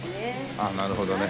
ああなるほどね。